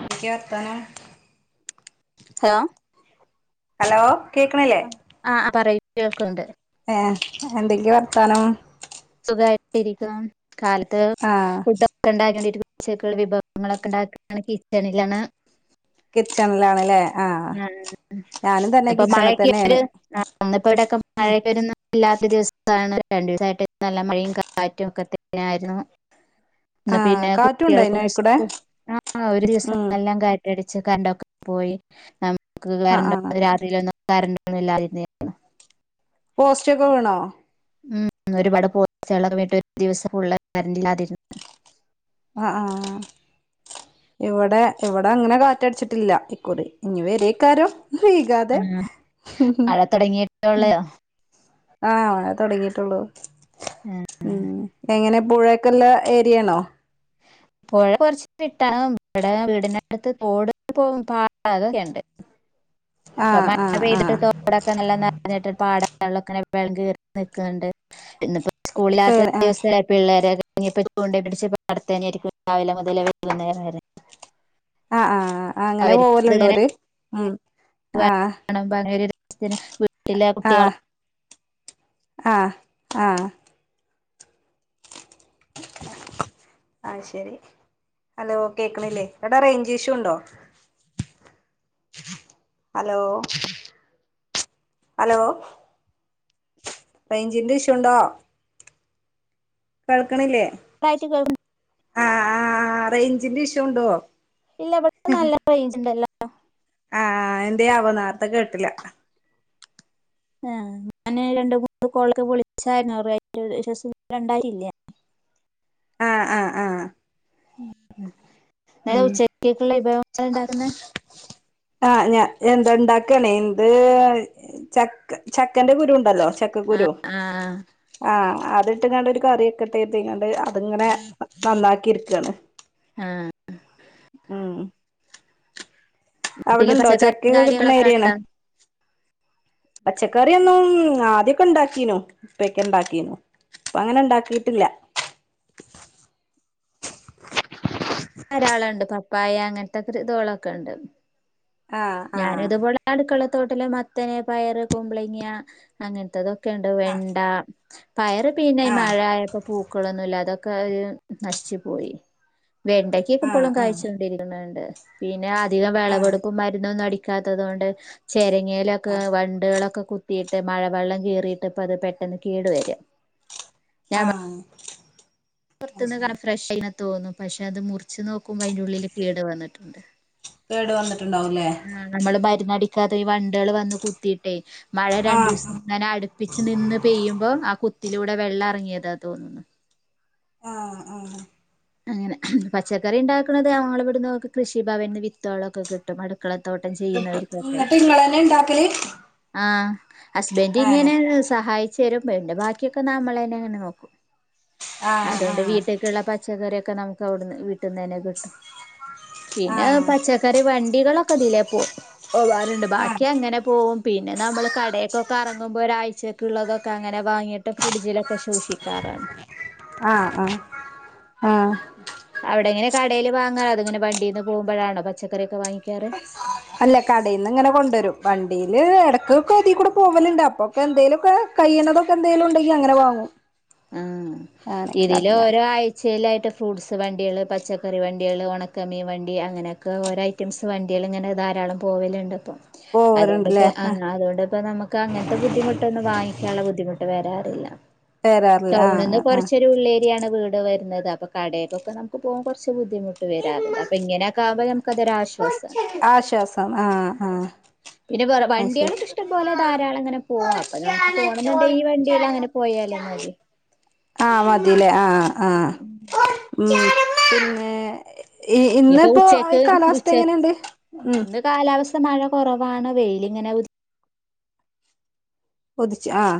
എന്തൊക്കെ വർത്താനം hello hello കേക്കണില്ലേ ആ പറയും കേൾക്ക്ണ്ട് ഏഹ് എന്തെങ്ക വർത്താനം ായിട്ടരിക്കും കാലത്ത് ആഹ് ഫുട്ടൊക്കെ ഉണ്ടാക്കണ്ടിരിക്ക പച്ചക്കുള്ള വിഭവങ്ങളൊക്കെ ഉണ്ടാക്കുകാണ് കിച്ചണിലാണ് കിച്ചണിലാണല്ലേ ആഹ ആഹ് ഞാനും തന്നെ ഇപ്പൊ കിച്ചണ തന്നെയാണ് ഉം മഴക്കരുന്നല്ലാ ഒരു ദിവസാണ് രണ്ടു ദിവസട്ട് നല്ല മഴയും കാറ്റും ഒക്കെത്തന്നായിരുന്നു എന്ന ആഹ് പിന്നെ കാറ്റുണ്ടോ അതിനഴിക്കൂടെ കുട്ട്യേൾക്ക് ആ ഒരു ദിവസം ഉം നല്ലാം കറ്റടി കണ്ടൊക്കെ പോയി നമുക്ക് ആഹ് ആഹ് [unintelligible] രാത്രിയിലൊന്ന കരൊണ്ടൊന്നുംല്ലായിരുന്ന് പോസ്റ്റൊക്കെ വീണോ ഉം ഒരുപാട് പോസികൊക്കെ വട്ട ഒരു ദിവസം കരണ്ട് ലാതെരുന്ന് ആഹ് ആഹ് ഇവടെ ഇവടെ അങ്ങനെ കാറ്റടിച്ചിട്ടില്ല ഇക്കുറി ഇനി വേരോക്കാരം വൈകാതെ ഹ് ഹ് മഴ തുടങ്ങിയിട്ടുള്ള ഉ ആഹ് തൊടങ്ങീട്ടുള്ളൂ ഉംഎങ്ങനെ പുഴക്കല്ലെ ഏരിയേണോ പൊഴ കൊറച്ച് കിട്ട ഇവടെ വീടിനടുത്ത്പോട് പോ പാടതൊ [unintelligible] ക്കെയണ്ട് ഇപ്പൊ ആഹ് മഴ ആഹ് പെയ്തിട്ട് ആഹ് തോടൊക്കെ നല്ലത് [unintelligible] പാട [unintelligible] കയറിക്കുന്നുണ്ട് പിന്നിപ്പോ കേ സ്കൂളിലാത്ത ആഹ് ദിവസ പിള്ളേരെ ചൂണ്ടപിടിച്ച് പാടത്തെ ഇരിക്കും രാവിലെ മുതല് വൈകുന്നേരം വരെ ആ ആ ആ അങ്ങനെ അവർക്ക് പോവലുണ്ടോ ഇതിങ്ങനെ ഓര് ഉ [unintelligible] ആ ആ [inaudible] ആ ശരി ഹലോ കേക്കണില്ലേ എവിടാ റേഞ്ച് ഇഷ്യൂണ്ടോ ഹലോ ഹലോ റേഞ്ചിന്റെ ഇഷുണ്ടോ കേൾക്കണില്ലേ [unintelligible] ആ ആ റേഞ്ചിന്റെ ഇഷു ഉണ്ടോ ഇല്ല ഇവിടെ നല്ല റേഞ്ച് ഉണ്ടല്ലോ ആ എന്തേ ആവോ നേറത്തെ കേട്ടില്ല ആ ഞാന് രണ്ട് മൂന്ന് കോളൊക്കെ വിളിച്ചായിരുന്നു റെയിഞ്ച് ഇഷ് ഉണ്ടായില്ല ആഹ് ആഹ് ആഹ് [unintelligible] ഉം ഉച്ചക്കൊക്കുള്ള വിഭവങ്ങ ഉണ്ടാക്കുന്ന ആ ഞാ എന്താ ഇണ്ടാക്കണേ എന്ത് ച ചക്കന്റെ കുരു ഉണ്ടല്ലോ ആഹ് ചക്കക്കുരു ആഹ് ആ അത് ഇട്ട ഇങ്ങാണ്ട് ഒരു കറിയൊക്കെ ഇട്ടത്തങ്ങാണ്ട് അതിങ്ങനെ നന്നാക്കി ഇരിക്കയാണ് ആ വീട്ടില് അവിടെണ്ടോ പച്ചക്കറിയും ചക്കയൊക്കെ കിട്ടണ കാര്യങ്ങളൊക്കെ ഏരിയാണ് ഉണ്ടോ? പച്ചക്കറി ഒന്നും ആദ്യൊക്കെ ഉണ്ടാക്കീനു ഇപ്പൊക്കെ ഉണ്ടാക്കീന്നു അപ്പൊ അങ്ങനെ ഇണ്ടാക്കിട്ടില്ല ളുണ്ട് പപ്പായ അങ്ങനത്തെ ഇതളൊക്കെ ഉണ്ട് ആഹ് ഞാന് ആഹ് ഇതുപോലെ അടുക്കള തോട്ടിൽ മത്തന്, പയറ്, കുമ്പളിങ്ങ, അങ്ങനത്തെതൊക്കെയുണ്ട് വെണ്ട പയറ് പിന്നെഈ ആഹ് മഴ ആയപ്പോ പൂക്കളൊന്നുമല്ല അതൊക്കെ ഒരു നശിച്ചു പോയി വെണ്ടക്കൊക്കെ ആഹ് ആഹ് എപ്പളും ആഹ് കഴച്ച് കൊണ്ടി ഇരിക്കണണ്ട് പിന്നെ അധികം ആഹ് വിളവെടുപ്പ് ഒന്നും അടിക്കാത്തതുകൊണ്ട് ചെരങ്ങലൊക്കെ ആഹ് വണ്ടുകളൊക്കെ കുത്തിയിട്ട് മഴവെള്ളം കീറിയിട്ട് ഇപ്പ അത് പെട്ടെന്ന് കേടു വരം ആ പുറത്തുന്ന് ഫ്രഷ് തോന്നുന്നു പക്ഷെ അത് മുറിച്ച് നോക്കു മ്മം ഉള്ളിൽ കേട് വന്നിട്ടുണ്ട് കേട് വന്നിട്ടുണ്ടാവൂല്ലേ ആ നമ്മള് മരുന്നടി ഈ വണ്ട്ള് വന്ന് കുത്തി മഴ രണ്ടു ആഹ് ദിവസം അങ്ങനെ അടുപ്പിച്ച് നിന്ന് പെയ്യുമ്പോം ആ കുത്തിലൂ വിടെ വെള്ള ഇറങ്ങിയതാ തോന്നുന്നു. ആ ആ അങ്ങനെ പച്ചക്കറി ഉണ്ടാക്കണുന്നത് അവങ്ങള ഇവിടുന്ന് കൃഷി ഭവനിന്ന് വിത്തോളൊക്കെ കിട്ടും അടു എന്നിട്ട് നിങ്ങ തന്നെ ഇണ്ടാക്കല് ആ ഹസ്ബൻഡ ഏഹ് ഇങ്ങനെ സഹായി ചെരും ബാക്കിയൊക്കെ നമ്മളെങ്ങനെ നോക്കും ആഹ് അതുകൊണ്ട് ആഹ് വീട്ടിലക്കുള്ള പച്ചക്കറി ക്കെ നമുക്ക്വിടുന്ന് വീട്ടന്ന്ന്നെ കിട്ടും പിന്നെ ആഹ് പച്ചക്കറി വണ്ടികളൊക്കെ കതിയിലേ പോ പോവാറുണ്ട് ബാക്കി ആഹ് അങ്ങനെ പോവും പിന്നെ നമ്മൾ പിന്നെ പിന്നെ പിന്നെ പിന്നെകടയൊക്കൊക്കെറുമ്പോൾ ഒരാഴ്ചയക്ക ഉള്ളതൊക്കെ അങ്ങനെ വാങ്ങിട്ട് ഫ്രിഡ്ജില് ശൂഷിക്കാറാണ് ആഹ് ആഹ് ആഹ് അവിടെങ്ങനെ കടലവാങ്ങാറ അത് ഇങ്ങനെ വണ്ടീന്ന് പോകുമ്പോഴാണോ പച്ചക്കറിയൊക്കെ വാങ്ങിക്കാറ് അല്ല കടയിൽ നിന്ന് ഇങ്ങനെ കൊണ്ടുവരും വണ്ടിയില് ഇടക്ക ഒക്കെ അതിൽ കൂടെ പോവലുണ്ട് അപ്പൊക്കെ എന്തേലും ഒക്കെ കൈ്യുന്നതൊക്കെ എന്തെലുംണ്ടെങ്കിൽ അങ്ങനെ വാങ്ങും ആഹ അങ്ങനെയൊക്കെ ഇതില് കാട്ടലാണ് ഓരോ ആഴ്ച സെയിലായിട്ട് ഫ്രൂട്ട്സ് വണ്ടികള് പച്ചക്കറി വണ്ടികള് ഒണക്കമിൻ വണ്ടി അങ്ങനെയൊക്കെ ഓരോ ഐറ്റംസ് വണ്ടികള് ഇങ്ങനെ ധാരാളം പോവലുണ്ട് ഇപ്പം പോവലുണ്ടല്ലേ അതുകൊണ്ടിപ്പോ ആ ആഹ് അതുകൊണ്ടിപ്പോ നമുക്ക് അങ്ങനത്തെ ബുദ്ധിമുട്ടൊന്നും വാങ്ങിക്കാനുള്ള ബുദ്ധിമുട്ട് വരാ വരാറില്ല ടൗണിൽ ആഹ് നിന്ന് ആഹ് കൊറച്ചൊരു ഉള്ളേരിയാണ് വീട് വരു ന്നത് അപ്പൊ കടെന്നൊക്കെ നമുക്ക് പോവാൻ കൊറച് ബുദിമുട്ട് വരാറുണ്ട് അപ്പോ ഇങ്ങനെ ഒക്കെ ആവുമ്പൊ ആശ്വാസം ആഹ് ആഹ പിന്നെ വേറെ വണ്ടികളും ഇഷ്ടംപോലെ ധാരാളം അങ്ങനെ പോവും അപ്പൊ നമുക്ക് പോണം എന്നുണ്ടെ ഈ വണ്ടിൽ അങ്ങനെ പോയാലും മതി ആഹ് മതില്ലേ ആഹ ആഹ ഉം പിന്നെ ഇനിയിപ്പോ ഇന്നിപ്പോ ഉച്ചക്ക് കാലാവസ്ഥ ഉച്ച എങ്ങനെയുണ്ട് ഉം ഇന്ന് കാലാവസ്ഥ മഴ കൊറവാണ് വെയിലിങ്ങനെ പൊതിച്ച് ആഹ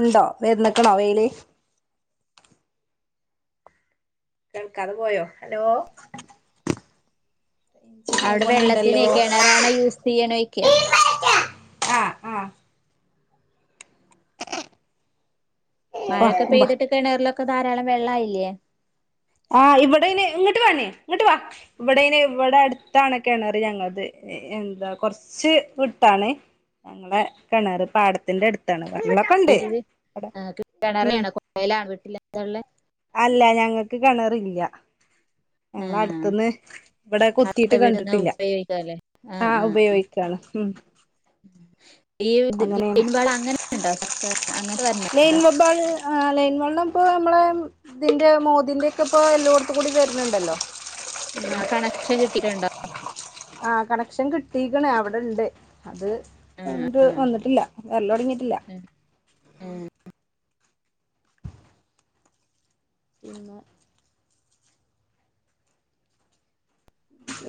ഉണ്ടോ വർന്നക്കണോ വെയില് കേൾക്കാതെ പോയോ ഹലോ ഇജ്ജ് അവിടെ പോവണുണ്ടല്ലോ വെള്ളത്തിനെ കിണറാണോ യൂസ് ചെയ്യനെക്ക്യ ആഹ് ആഹ് വാ മഴയൊക്കെ ബാ പെയ്തിട്ട് കിണറിലൊക്കെ ധാരാളം വെള്ളായില്ലേ ആ ഇവിടെ ഇവിടെയിന് ഇവിടെ അടുത്താണ് കെണറു ഞങ്ങൾക്ക് എന്താ കൊറച്ച് വിട്ടാണ് ഞങ്ങളെ കിണറ് പാടത്തിൻ്റെ അടുത്താണ് വെള്ളക്കൊണ്ട് വീട്ടില് കിണറാണോ കുഴലാണോ വീട്ടിലെന്താ ഉള്ളെ കെണറില്ല ഞങ്ങള് ആഹ് അടുത്തന്ന് ഇവിടെ കുത്തിട്ട് അടുത്ത വീട്ട്ന്ന് കണ്ടിട്ടില്ല ഉപയോഗിക്കാല്ലേ ആഹ് ആഹ് ഉം ഈ ഇത് അങ്ങനെയാണ് [unintelligible] പാട അങ്ങനെ ഉണ്ടോ സർക്കാറിനു ലൈൻ മൊബൾ ആ ലൈ നമ്മളെ ഇപ്പ നമ്മളെ ഇതിന്റെ മോദിന്റെ ഒക്കെ ഇപ്പൊ എല്ലോടത്തും കൂടി വരുന്നുണ്ടല്ലോ ആ കണക്ഷൻ കിട്ടിയിട്ടുണ്ടോ ആഹ കെണ കണക്ഷൻ കിട്ടിക്കണേ അവിടെ ഉണ്ട് അത് അങ്ങിട്ട് വന്നിട്ടില്ല വരല് തൊടങ്ങിട്ടില്ല പിന്നെ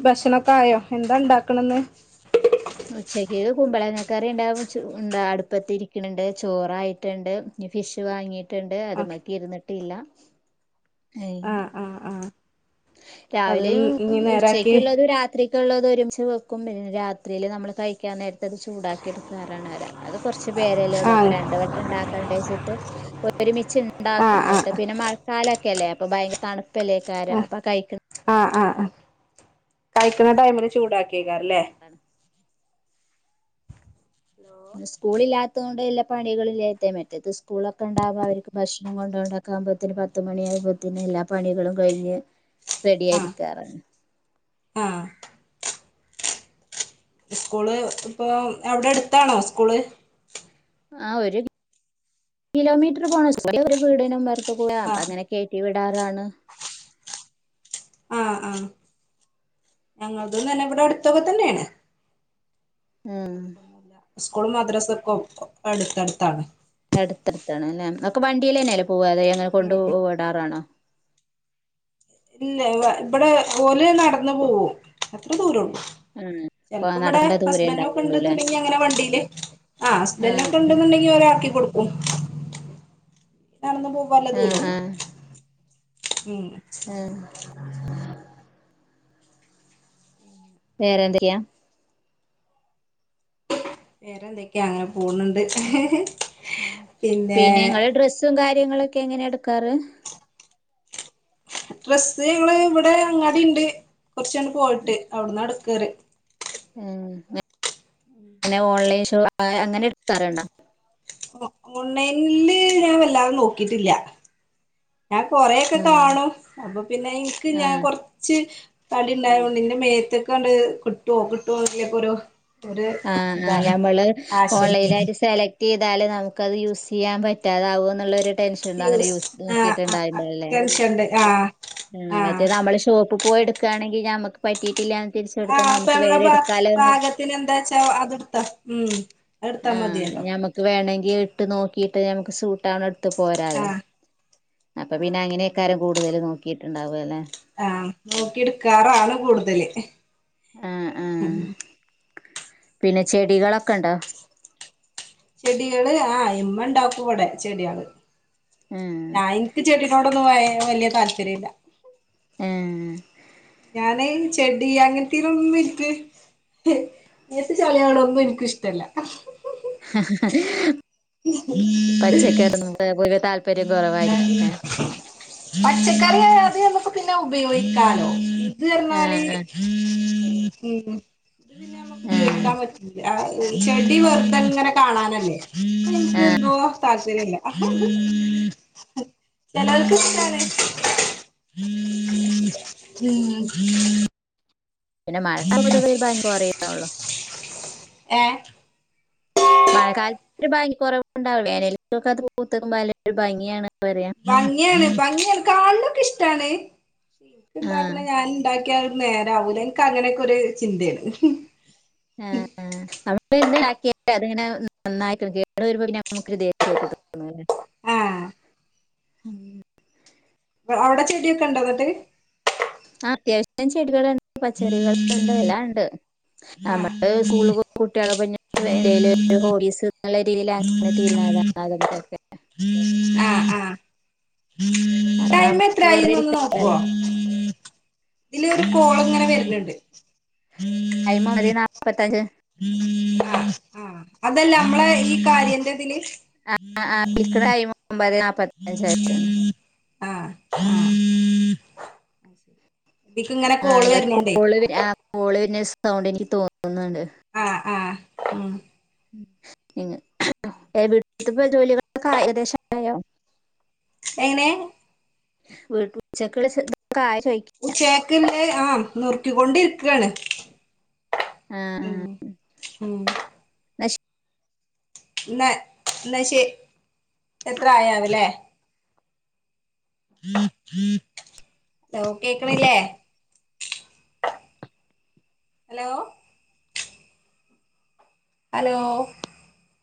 ഭക്ഷണൊക്ക ആയോ എന്താ ഉണ്ടാക്കണന്ന് ഉച്ചക്ക് കുമ്പളങ്ങ കറി ഉണ്ടാകും അടുപ്പത്തിരിക്കുന്നുണ്ട് ചോറായിട്ടുണ്ട് ഫിഷ് വാങ്ങിയിട്ട് ട്ടുണ്ട് ആ അത്മക്ക് ഇരുന്നിട്ടില്ല ആ ഏഹ് ആ ആ അത് രാവിലെയ ഇനി നേരാക്കി ഉച്ചക്കുള്ളത് രാത്രി ക്കുള്ളതും ഒരുമിച്ച് വെക്കും പിന്നെ രാത്രില് നമ്മള് കഴിക്കാൻ നേരത്ത് അത് ചൂടാക്കി എടുക്കാറാണ് കൊറച്പേരല്ലേ ഒള്ളൂ ആ അപ്പൊ രണ്ട് വട്ടം ഉണ്ടാക്കണ്ട വച്ചിട്ട് ആ ണ്ടാക്കും ആ നിട്ട് പിന്നെ മഴക്കാലൊക്കെ അല്ലേ അപ്പൊ ഭയര തണുപ്പല്ലേക്കാര അപ്പൊ കഴിക്കും ആ്ആഹ കഴിക്കുന്ന ടൈമില് ചൂടാക്കിയേക്കാല്ലേ സ്കൂള് ഇല്ലാത്ത കൊണ്ട് എല്ലാ പണികളും ല്ലായിട്ട മറ്റേത് സ്കൂളൊക്കെ ഉണ്ടാവ്മ്പോ അവർക്ക് ഭക്ഷണം കൊണ്ടോ ക്കുമ്പോത്തന് പത്ത് മണി ആകുമ്പോത്തന്നെ എല്ലാ പണികളും കഴിഞ്ഞ് റെഡി ആ ആയിരിക്കാറാണ് ആ സ്കൂള് ഇപ്പൊ എവിടെ അടുത്താണോ സ്കൂള് ആ ഒരു കിലോമീറ്റർ പോണം ഒരു വീടിനും [unintelligible] ആ അതങ്ങനെ കേറ്റിവിടും റാണ് ആ ആ ഞങ്ങള് തന്നെ ഇവിടെ അടുത്തൊക്കെ തന്നെയാണ് ഉം സ്കൂൾ മദ്രസ ഒക്കെ അടുത്തടുത്താണ് അടുത്തടുത്താണ് അല്ലേ നിങ്ങക്ക് വണ്ടിയിലന്നെയല്ലേ പോകവാതെ അങ്ങനെ ഉം കൊണ്ട് ഉം വിടാറാണോ ഇല്ല ഇവിടെ ഓല് നടന്ന് പോവും അത്ര ദൂരം ഒള്ളൂ ഉം ചെലപ്പോ ഇവിടെ ഹസ്ബൻഡും ഒക്കെ ഇണ്ടന്നുണ്ടെങ്കി അങ്ങനെ വണ്ടിയില് ആ അസ്ബൻഡൊക്കെ ഉണ്ടെന്നുണ്ടെങ്കിൽ ഒരാക്കി കൊടുക്കു ഉം നടന്ന് പോവാല്ല ആ ആ ദൂരള്ളൂ. ഉം ആ വേറെന്തൊക്കെയാ വേറെന്തൊക്കെയാ അങ്ങനെ പോണുണ്ട്. ഉം പിന്നെ ങ്ങള് ഡ്രസും കാര്യ ര്യങ്ങളൊക്കെ എങ്ങനെ എടുക്കാറ്. ഡ്രസ്സ് ങ്ങള് ഇവിടെ അങ്ങാടിണ്ട്. കൊറച്ചണ പോയിട്ട് അവിടന്ന എടുക്കല്. ഉം പിന്നെ ഓൺലൈൻ ഷോ അങ്ങനെ എടുക്കാറുണ്ടോ. ഓൺലൈനില് ഞാൻ വല്ലാതെ നോക്കിട്ടില്ല. ഞാൻ കൊറേക്കെ ഉം കാണും അപ്പൊ പിന്നെ ഇനിക്ക് ഞാൻ ആഹ് കൊറച്ച് തടിണ്ടായോണ്ട് ന്റെ മേത്ത്കണ്ട് കിട്ടുവോ കിട്ടുവോ എന്നൊക്കൊരു ആ ആ ഞമ്മള് ഓൺലൈനായിട്ട് സെലക്ട് റ്റിതാലേ നമുക്കത് യൂസിയ്യാൻ പറ്റാതാവോന്നുള്ളൊരു ടെൻഷൻ അങ്ങനെ യൂസ് യൂസീത് ആഹ് ആഹ് ആഹ് നോക്കിട്ടുണ്ടാകില്ലല്ലേ. ടെൻഷൻണ്ട് ആഹ് ആ മറ്റേ ആഹ് നമ്മള് ഷോപ്പ് പോയിടു ക്കാണെങ്കി ഞമ്മക്ക് പറ്റിയിട്ടില്ലന്ന് ആഹ് തിരിച്ചുെടുത്താൽ നമുക്ക് വേറെ എടുക്കാലോന്ന് അതെടുത്താ ഉം അതെടുത്താ മതിയല്ലോ. വേണങ്കി ഇട്ട് നോക്കിയിട്ട് നമുക്ക് സൂട്ടാണ് എട്ത് പോരാലോ. ആഹ് ആഹ് അപ്പൊപ്പിന്നെ അതാണ് അങ്ങനെക്കാരം കൂടുതൽ നോക്കിയിട്ടുണ്ടാവല്ലെ. ആഹ് നോക്കി എടുക്കാറാണ് കൂടുതല്. ആ ആ പിന്നെ ചെടികളൊക്കെണ്ടോ. ചെടികള് ആ ഇമ്മണ്ടാകും ഇവിടെ ചെടികള്. ആഹ് ഞാൻ ഇൻക്ക് ചെടിനോടൊന്നും വായ വല്യ താല്പര്യല്ല. ഏ അങ്ങനെ ചെടി അങ്ങനതീനോടൊന്നുനിക്ക് മേത് ചളിയാവുണതൊന്നും ഇനിക്കിഷ്ടല്ല. ഈഹ് പച്ചക്കറിനോട് ഒരു താല്പര്യം കുറവായിരിക്കുംല്ലേ. പച്ചക്കറിയോട് ന്നൊക്കെ പറഞ്ഞ പിന്നെ ഉപയോഗിക്കാലോ ഇതിന്ന്‌റഞ്ഞാല് ആഹ് ഉം പിന്നെ നമ്മക്ക് ആഹ് കൂട്ടാൻ പറ്റൂല. ആ ഉം ചെടി വെറുതെങ്ങനെ കാണാനല്ലേ. [inaudible] താല്പര്യല്ല. ചെലർക് ഇഷ്ടാണ്. ഹും പിന്നെ മഴ [inaudible] അറിയുള്ളൂ ഏഹ് മഴക്കാലത്ത് ഭംഗിക്കുറവുണ്ടാവും. വേനൽക്കൊക്കെ അത് പൂത്തതുമ്പോല്ല ഒരു ഭംഗിയാണ്. പറയാ ഭംഗിയാണ് ഭംഗിയാണ് കാണ്നതൊക്കെ ഇഷ്ടാണ് ആഹ് ഉണ്ടാക്കണ ഞൻണ്ടാ ക്കിയാൽ നേരാവൂല എനിക്ക് അങ്ങനെയൊക്കെ ഒരു ചിന്തേണ്. ആഹ് [inaudible] കേട്ട അത്ങ്ങനെ നന്നായിരിക്കണം കേട് വരുമ്പോ നമുക്കൊരു ധൈര്യായിട്ട് തോന്നല്ലേ ആഹ് ഉം അവിടെ ചെടിയൊക്കെണ്ടോ എന്നിട്ട്. ആ അത്യാവശ്യത്തിന് ചെടികളുണ്ട് പച്ചറികളുണ്ട് എല്ലാം ഇണ്ട് അ ആഹ് നമ്മള് സ്കൂള് പോകുമ്പോ കുട്ടികളെ പിന്നെ [inaudible] ഹോളീസ് ന്നുള്ള രീതിൽ അങ്ങനെ തീരുന്നതാണ് അതുമക്കൊക്കെ ആഹ് അതാണ് എത്രായിന്ന് ഒന്ന് നോക്കുവോ. ഇതില് ഒരു കോളങ്ങനെ വരുണുണ്ട്. [unintelligible] നൽപ്പത്തഞ്ച് ആ അതല്ലേ നമ്മളെ ഈ കാര്യന്റെതില് ആ ആ ഇപ്പ ടൈമ് ഒമ്പത് നാല്പ്പത്തിയഞ്ചായിട്ടുണ്ട്. ആഹ് ആഹ് ഇതിക്ക് ഇങ്ങനെ ആ കോള് നിങ്ങളെ വരുന്നോണ്ടേ കോള് കോള് വെരുന്ന സൗണ്ട് എനിക്ക് തോന്നുന്നുണ്ട്. ആഹ് ആഹ് ഉം പിന്ന വീട്ടിത്തിപ്പ ജോലികളക്കെ ഏകദേശ ആയോ എങ്ങനെ? [unintelligible] ചോദിക്കുക ഉച്ചേക്കല്ലേ ആ നുറുക്കിക്കൊണ്ടിരിക്ക്വണ് ആ ആ ഉം ഉം എന്നാ ന്ന ന്ന ശേ എത്ര ആയാവല്ലേ? ഓ കേക്കണില്ലേ? Hello hello